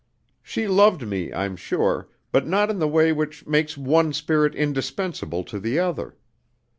She loved me, I'm sure, but not in the way which makes one spirit indispensable to the other.